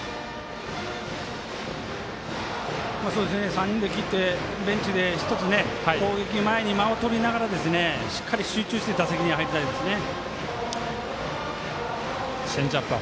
３人で切ってベンチで１つ攻撃の前に間をとりながらしっかり集中して打席に入りたいですね。